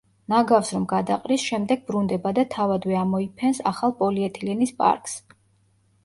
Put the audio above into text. ნაგავს რომ გადაყრის, შემდეგ ბრუნდება და თავადვე ამოიფენს ახალ პოლიეთილენის პარკს.